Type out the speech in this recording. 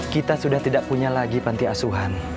kita sudah tidak punya lagi panti asuhan